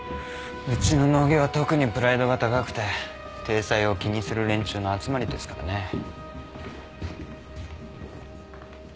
うちの脳外は特にプライドが高くて体裁を気にする連中の集まりですからね。